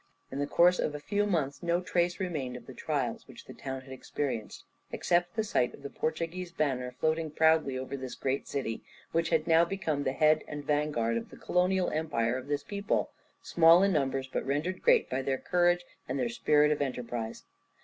In the course of a few months no trace remained of the trials which the town had experienced, except the sight of the Portuguese banner floating proudly over this great city, which had now become the head and vanguard of the colonial empire of this people, small in numbers, but rendered great by their courage and their spirit of enterprise.